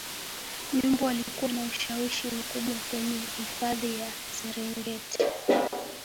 nyumbu walikuwa na ushawishi mkubwa kwenye hifadhi ya serengeti